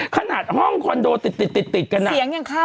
ขนาดห้องคอนโดติดกันนะ